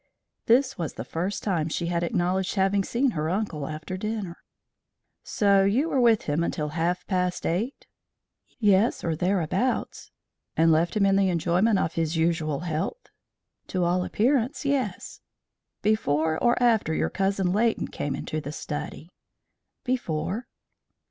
This was the first time she had acknowledged having seen her uncle after dinner. "So you were with him until half past eight?" "Yes, or thereabouts." "And left him in the enjoyment of his usual health?" "To all appearance, yes." "Before or after your cousin Leighton came into the study?" "Before."